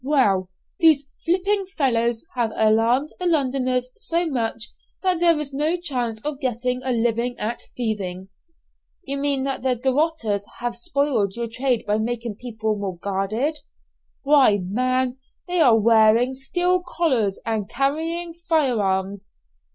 "Well, these 'flimping' fellows have alarmed the Londoners so much that there is no chance of getting a living at thieving." "You mean that the garotters have spoiled your trade by making people more guarded?" "Why, man, they are wearing steel collars and carrying fire arms."